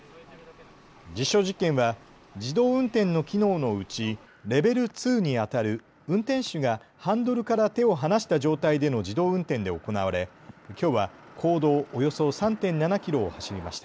実証実験は自動運転の機能のうちレベル２にあたる、運転手がハンドルから手を離した状態での自動運転で行われきょうは公道およそ３．７キロを走りました。